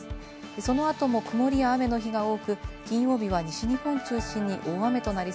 その後も曇りや雨の日が多く、金曜日は西日本中心に大雨となり